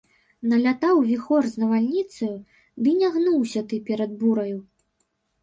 Налятаў віхор з навальніцаю, ды не гнуўся ты перад бураю!..